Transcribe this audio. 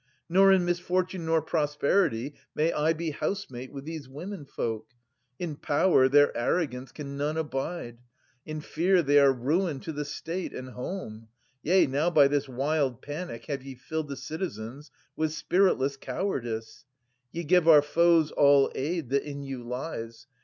Nor in misfortune nor prosperity May I be housemate with these womenfolk ! In power, their arrogance can none abide ; In fear, they are ruin to the state and home. 190 Yea, now by this wild panic have ye filled The citizens with spiritless cowardice. Ye give our foes all aid that in you lies